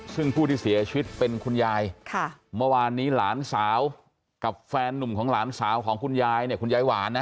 ซึ่งผู้ที่เสียชีวิตเป็นคุณยายเมื่อวานนี้หลานสาวกับแฟนนุ่มของหลานสาวของคุณยายเนี่ยคุณยายหวานนะ